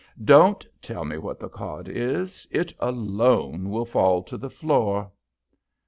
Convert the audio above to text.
Don't tell me what the card is; it alone will fall to the floor."